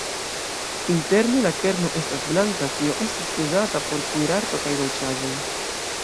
Interne la kerno estas blanka, kio estas uzata por kuirarto kaj dolĉaĵoj.